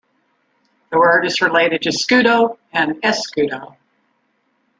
The word is related to scudo and escudo.